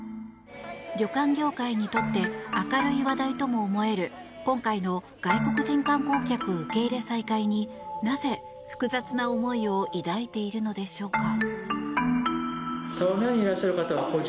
旅館業界にとって明るい話題とも思える今回の外国人観光客受け入れ再開になぜ、複雑な思いを抱いているのでしょうか。